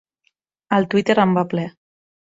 El Twitter en va ple.